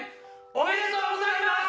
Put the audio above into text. おめでとうございます！